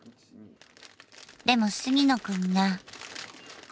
でも杉野くんが。